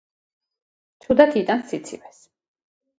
ცუდად იტანს სიცივეს.